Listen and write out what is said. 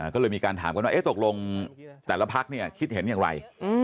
ก็เลยมีการถามกันว่าตกลงแต่ละพักคิดเห็นอย่างไร